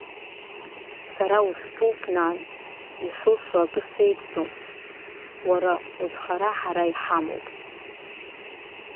Сара устәуп, нан, исылшо акы сеигӡом, уара узхара ҳара иҳамоуп.